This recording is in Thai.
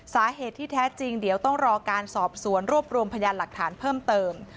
สาเหตุที่แท้จริงเดี๋ยวต้องรอการสอบสวนรวบรวมพยานหลักฐานเพิ่มเติม